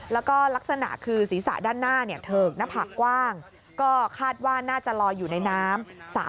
แล้วก็ลักษณะคือศีรษะด้านหน้าเถิกหน้าผากกว้างก็คาดว่าน่าจะลอยอยู่ในน้ำ